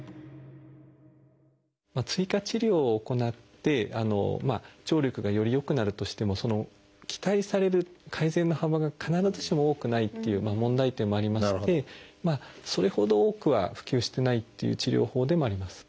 追加治療を行って聴力がより良くなるとしても期待される改善の幅が必ずしも多くないっていう問題点もありましてそれほど多くは普及してないっていう治療法でもあります。